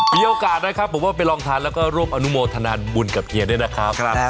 มีโอกาสนะครับผมว่าไปลองทานแล้วก็ร่วมอนุโมทนาบุญกับเฮียด้วยนะครับ